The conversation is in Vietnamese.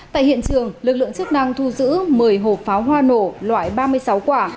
tại hiện trường lực lượng chức năng thu giữ một mươi hộp pháo hoa nổ loại ba mươi sáu quả